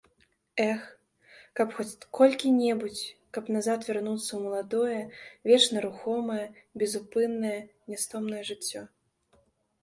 Эх, каб хоць колькі-небудзь, каб назад вярнуцца ў маладое, вечна рухомае, безупыннае, нястомнае жыццё.